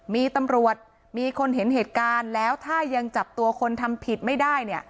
มีตำรวจมีคนเห็นเหตุการณ์แล้วถ้ายังจับตัวคนทำผิดไม่ได้เนี่ย